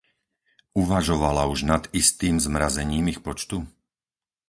Uvažovala už nad istým zmrazením ich počtu?